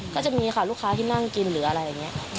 ก็จะมีค่ะลูกค้าที่นั่งกินหรืออะไรอย่างนี้